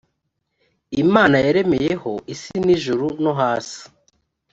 imana yaremeyeho isi n ijuru no hasi